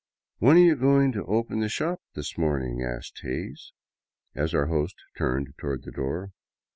"• When are you going to open the shop this morning ?" asked Hays, as our host turned toward the door.